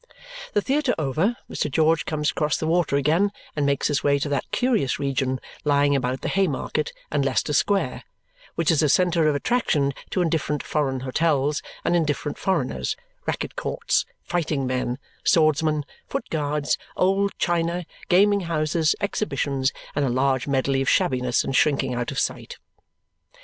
The theatre over, Mr. George comes across the water again and makes his way to that curious region lying about the Haymarket and Leicester Square which is a centre of attraction to indifferent foreign hotels and indifferent foreigners, racket courts, fighting men, swordsmen, footguards, old china, gaming houses, exhibitions, and a large medley of shabbiness and shrinking out of sight.